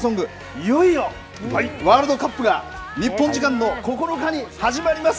いよいよ、ワールドカップが日本時間の９日に始まります。